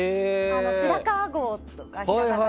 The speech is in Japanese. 白川郷とか。